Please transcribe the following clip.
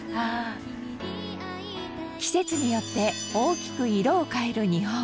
季節によって大きく色を変える日本。